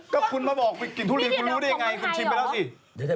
ก็คุณมาบอกไปกินทุเรียนคุณรู้ได้ยังไงคุณชิมไปแล้วสิ